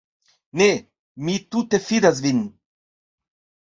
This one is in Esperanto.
Ne, mi tute fidas vin.